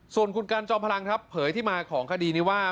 ส่วนคุณกันจอมพลังครับเผยที่มาของคดีนี้ว่า